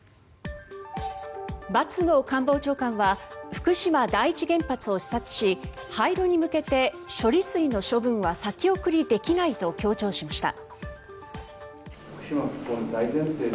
松野官房長官は福島第一原発を視察し廃炉に向けて処理水の処分は先送りできないと強調しました。